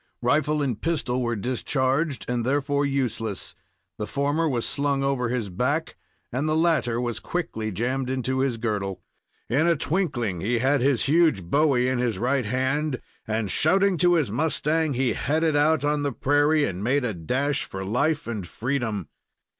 Rifle and pistol were discharged, and, therefore, useless. The former was slung over his back, and the latter was quickly jammed into his girdle. In a twinkling he had his huge bowie in his right hand, and, shouting to his mustang, he headed out on the prairie, and made a dash for life and freedom.